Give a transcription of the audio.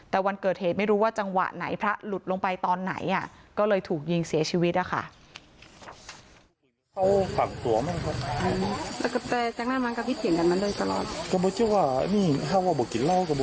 แต่วันเกิดเหตุไม่รู้ว่าจังหวะไหนพระหลุดลงไปตอนไหนก็เลยถูกยิงเสียชีวิตนะคะ